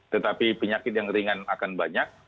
tetapi penyakit yang ringan akan banyak